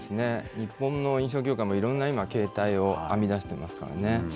日本の飲食業界もいろんな今形態を編み出していますからね。